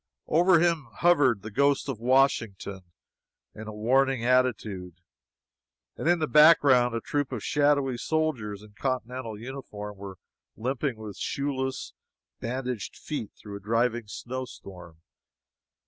Over him hovered the ghost of Washington in warning attitude, and in the background a troop of shadowy soldiers in Continental uniform were limping with shoeless, bandaged feet through a driving snow storm.